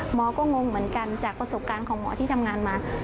หมอก็งงเหมือนกันจากประสบการณ์ของหมอที่ทำงานมา